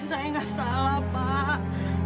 saya gak salah pak